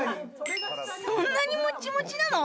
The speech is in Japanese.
そんなにもっちもちなの？